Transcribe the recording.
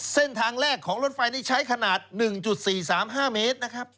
เส้นทางแรกของรถไฟนี่ใช้ขนาด๑๔๓๕เมตรนะครับ